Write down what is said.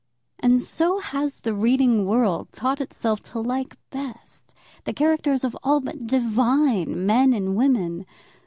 And so also has the reading world taught itself to like best the characters of all but divine men and women.